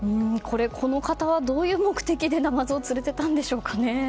この方、どういう目的でナマズを連れてたんでしょうかね。